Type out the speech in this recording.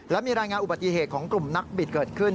และมีรายงานอุบัติเหตุของกลุ่มนักบิดเกิดขึ้น